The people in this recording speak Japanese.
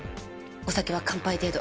お酒は乾杯程度。